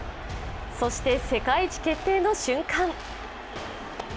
そして世界一決定の瞬間